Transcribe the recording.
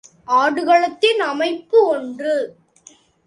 ஆடுகளத்தின் அமைப்பு ஒன்று.